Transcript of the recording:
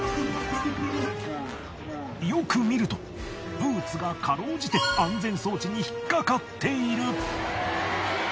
よく見るとブーツがかろうじて安全装置に引っ掛かっている！